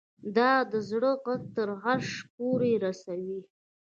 دا د زړه غږ تر عرشه پورې رسوي